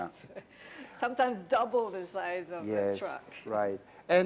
kadang kadang lebih besar ukuran kendaraan